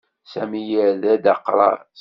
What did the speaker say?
Sami yerra-d aqras.